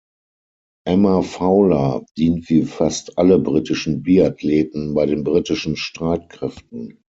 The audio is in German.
Emma Fowler dient wie fast alle britischen Biathleten bei den britischen Streitkräften.